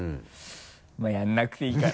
まぁやらなくていいかな。